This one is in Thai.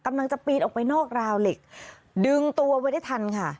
กำลังจะปีนออกไปนอกราวเหล็กดึงตัวไว้ได้ทันค่ะ